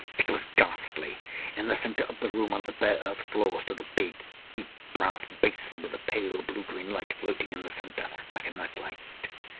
It was ghastly. In the centre of the room, on the bare earth floor, stood a big, deep, brass basin, with a pale blue green light floating in the centre like a night light.